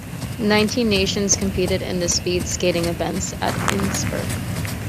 Nineteen nations competed in the speed skating events at Innsbruck.